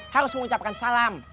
harus mengucapkan salam